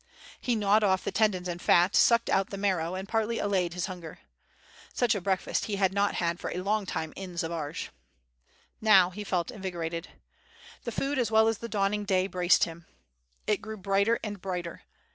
He gnawed off the tendons and fat, sucked out the marrow, and partly allayed his hunger. Such a breakfast he had not had for a long time in Zbaraj. Now he felt invigorated. The food as well as the dawning day, braced him. It grew brighter and brighter.